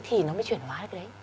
thì nó mới chuyển hóa được đấy